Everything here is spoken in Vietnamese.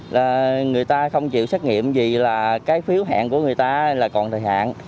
là người ta không chịu xét nghiệm gì là cái phiếu hẹn của người ta là còn thời hạn